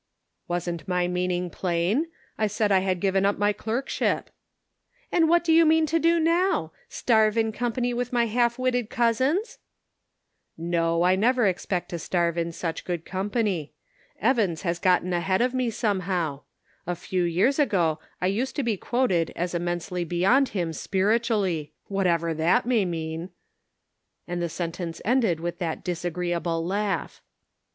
" Wasn't my meaning plain ? I said I had given up my clerkship." " And what do you mean to do now ? Starve in company with my half witted cousins ?"" No, I never expect to starve in such good company. Evans has gotten ahead of me, somehow ; a few years ago I used to be quoted as immensely beyond him ' spiritualty,' what ever that may mean," and the sentence ended with that disagreeable laugh.